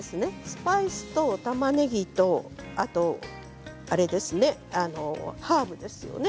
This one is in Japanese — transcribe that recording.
スパイスと、たまねぎとハーブですよね。